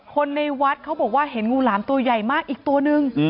คนในวัดเขาบอกว่าเห็นงูหลามตัวใหญ่มากอีกตัวนึง